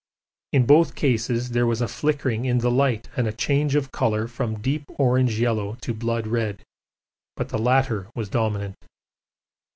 In both cases there was a flickering in the light and a change of colour from deep orange yellow to blood red, but the latter was dominant.